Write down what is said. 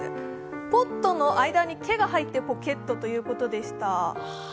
ポットの間に「ケ」が入ってポケットということでした。